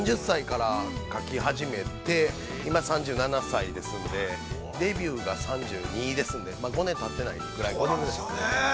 ３０歳から書き始めて、今３７歳ですので、デビューが３２ですんで、５年たってないぐらい。